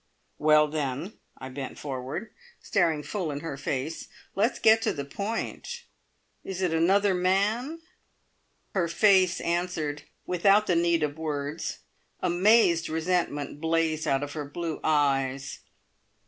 "Well, then" I bent forward, staring full in her face "let's get to the point. Is it another man?" Her face answered, without the need of words. Amazed resentment blazed out of her blue eyes.